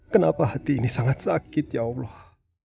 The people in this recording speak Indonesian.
kenapa hati ini sangat sakit ya allah